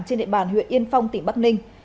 trên địa bàn huyện yên phong tỉnh bắc ninh